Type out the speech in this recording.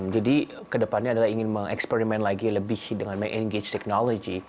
jadi ke depannya adalah ingin menginterpretasikan lagi lebih dengan menggabungkan teknologi